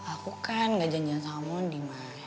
aku kan gak janjian sama mandi mah